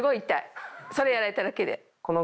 それやられただけで。